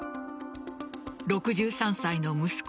６３歳の息子